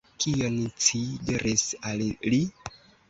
Kion ci diris al li?